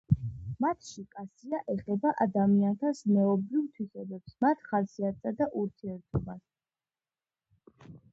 მათში კასია ეხება ადამიანთა ზნეობრივ თვისებებს მათ ხასიათსა და ურთიერთობას.